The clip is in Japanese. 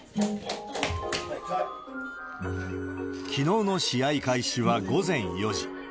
きのうの試合開始は午前４時。